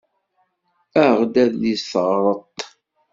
Aɣ-d adlis teɣreḍ-t.